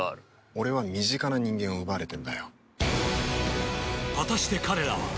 「俺は身近な人間を奪われてんだよ」